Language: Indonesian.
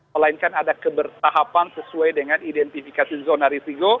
melainkan ada kebertahapan sesuai dengan identifikasi zona risiko